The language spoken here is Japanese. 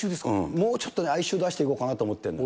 もうちょっと哀愁出していこうかなと思ってるの。